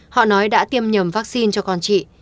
họ nói đã tiêm nhầm vaccine cho con chị